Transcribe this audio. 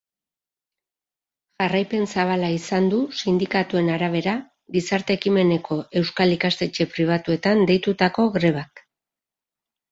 Jarraipen zabala izan du sindikatuen arabera gizarte ekimeneko euskal ikastetxe pribatuetan deitutako grebak.